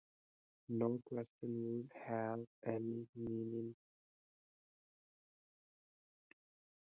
no question would have any meanin